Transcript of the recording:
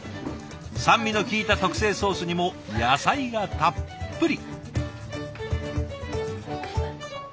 酸味のきいた特製ソースにも野菜がたっぷり。